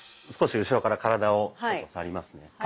少し後ろから体を触りますね。